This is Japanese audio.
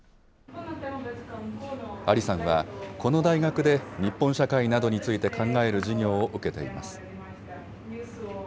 アリさんは、この大学で日本社会などについて考える授業を受けています。